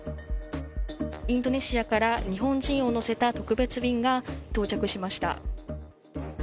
インドネシアから日本人を乗せた特別便が到着しました。